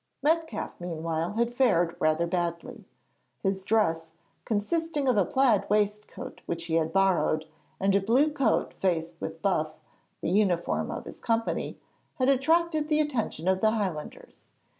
Metcalfe meanwhile had fared rather badly. His dress, consisting of a plaid waistcoat which he had borrowed, and a blue coat faced with buff, the uniform of his company, had attracted the attention of the Highlanders.